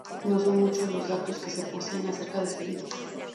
No son muchos los datos que se poseen acerca de su vida.